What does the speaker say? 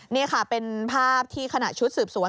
นี่ค่ะเป็นภาพที่ขณะชุดสืบสวน